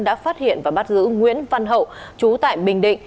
đã phát hiện và bắt giữ nguyễn văn hậu chú tại bình định